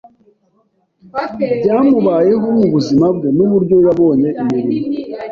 byamubayeho mu buzima bwe, n’uburyo yabonye imirimo